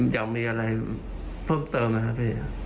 อยากมีอะไรเพิ่มเติมไหมครับพี่